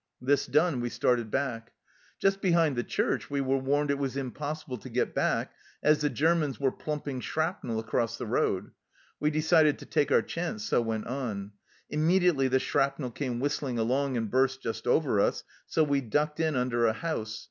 This done, we started back. Just behind the church we were warned it was im possible to get back, as the Germans were plumping shrapnel across the road. We decided to take our chance, so went on. Immediately the shrapnel came whistling along and burst just over us, so we ducked in under a house.